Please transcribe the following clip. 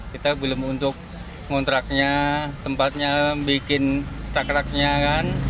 kita belum untuk kontraknya tempatnya bikin trak traknya kan